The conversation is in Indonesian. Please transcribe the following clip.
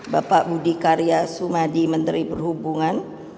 bapak budi karya sumadi menteri perhubungan